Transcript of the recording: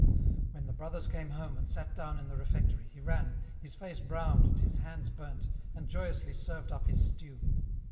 When the brothers came home, and sat down in the refectory, he ran, his face browned and his hands burnt, and joyously served up his stew.